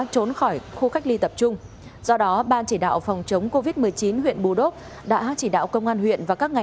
sau đó đã bản giao đối tượng